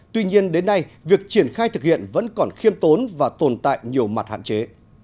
tuy nhiên đến nay việc triển khai thực hiện vẫn còn khiêm tốn và tồn tại nhiều mặt hạn chế